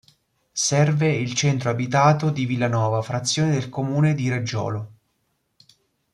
Serve il centro abitato di Villanova, frazione del comune di Reggiolo.